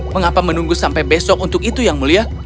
mengapa menunggu sampai besok untuk itu yang mulia